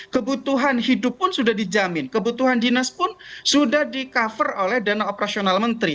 kebutuhan hidup pun sudah dijamin kebutuhan dinas pun sudah di cover oleh dana operasional menteri